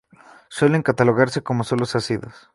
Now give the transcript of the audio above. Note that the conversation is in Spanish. Suelen catalogarse como suelos ácidos.